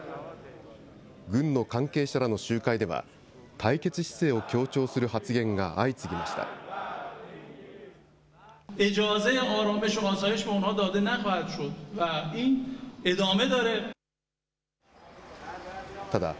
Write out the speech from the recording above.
軍の関係者らの集会では、対決姿勢を強調する発言が相次ぎました。